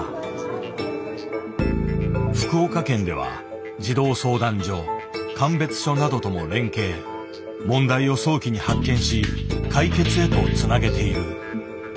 福岡県では児童相談所鑑別所などとも連携問題を早期に発見し解決へとつなげている。